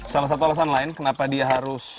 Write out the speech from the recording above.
salah satu alasan lain kenapa dia harus